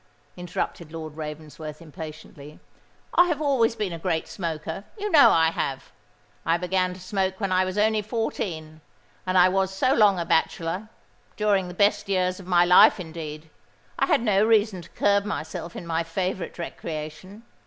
interrupted Lord Ravensworth, impatiently. "I have always been a great smoker: you know I have. I began to smoke when I was only fourteen; and as I was so long a bachelor—during the best years of my life, indeed—I had no reason to curb myself in my favourite recreation.